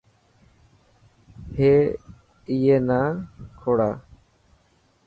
هي اي نا کوڙا.